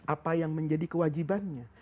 apa yang menjadi kewajibannya